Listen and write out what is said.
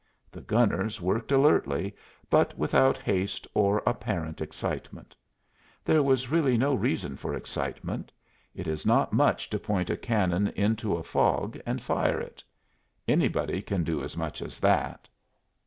The gunners worked alertly, but without haste or apparent excitement. There was really no reason for excitement; it is not much to point a cannon into a fog and fire it. Anybody can do as much as that.